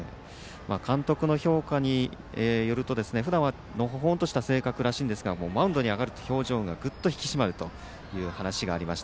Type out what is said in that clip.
監督の評価によるとふだんは、のほほんとした性格らしいんですがマウンドに上がると表情がぐっと引き締まるという話がありました。